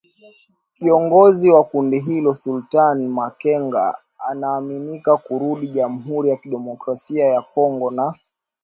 Kiongozi wa kundi hilo Sultani Makenga anaaminika kurudi jamhuri ya kidemokrasia ya Kongo na